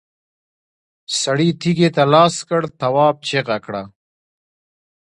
سړي تېږې ته لاس کړ، تواب چيغه کړه!